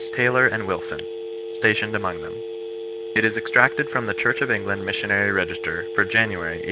Taylor and Wilson, stationed among them. It is extracted from the (Church of England) Missionary Register, for January, 1841.